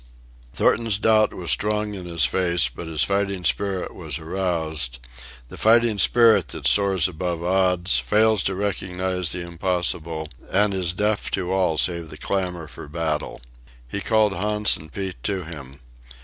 Thornton's doubt was strong in his face, but his fighting spirit was aroused—the fighting spirit that soars above odds, fails to recognize the impossible, and is deaf to all save the clamor for battle. He called Hans and Pete to him.